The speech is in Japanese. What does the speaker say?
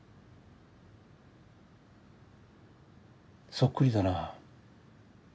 そっくりだな。